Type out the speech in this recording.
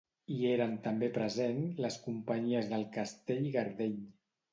Hi eren també present les companyies del Castell i Gardeny.